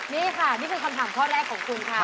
นี่ค่ะนี่คือคำถามข้อแรกของคุณค่ะ